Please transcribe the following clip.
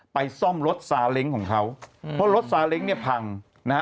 ซ่อมรถซาเล้งของเขาเพราะรถซาเล้งเนี่ยพังนะฮะ